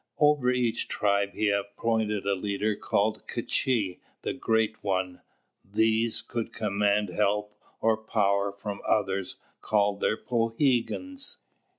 Over each tribe he appointed a leader called K'chī, the Great One. These could command help or power from others called their poohegans.